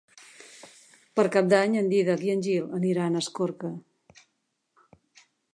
Per Cap d'Any en Dídac i en Gil aniran a Escorca.